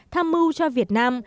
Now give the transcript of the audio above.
tham mưu cho việt nam